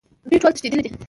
دوی ټول تښتیدلي دي